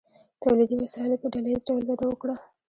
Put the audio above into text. تولیدي وسایلو په ډله ایز ډول وده وکړه.